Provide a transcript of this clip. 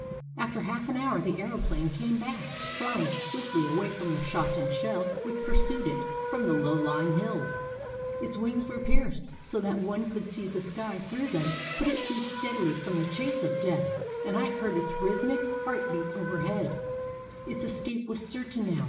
After half an hour the aeroplane came back, flying swiftly away from the shot and shell which pursued it from the low lying hills. Its wings were pierced, so that one could see the sky through them, but it flew steadily from the chase of death, and I heard its rhythmic heart 437 THE BALKAN STATES beat overhead. Its escape was certain now.